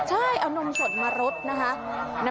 ใช่เอานมสดมารดนะคะ